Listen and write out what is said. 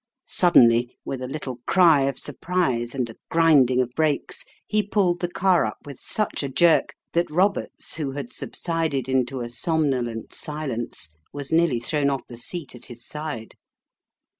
Suddenly, with a little cry of surprise and a grind ing of brakes, he pulled the car up with such a jerk that Roberts, who had subsided into a somnolent silence, was nearly thrown off the seat at his side.